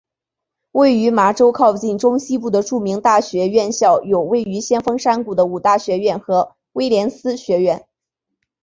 位于麻州靠近中西部的著名大学院校有位于先锋山谷的五大学院和威廉斯学院。